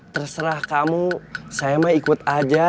terserah kamu saya mah ikut aja